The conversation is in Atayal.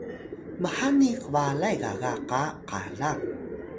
mhani kbalay gaga qa qalang